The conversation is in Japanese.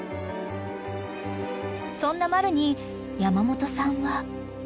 ［そんなマルに山本さんは］